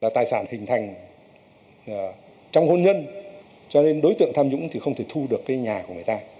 trong hôn nhân đối tượng tham nhũng không thể thu được nhà của người ta